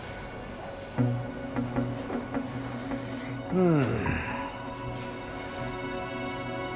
うん。